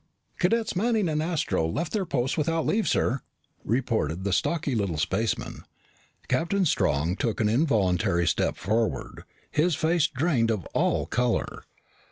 "Cadets Manning and Astro left their posts without leave, sir," reported the stocky little spaceman. Captain Strong took an involuntary step forward, his face drained of all color.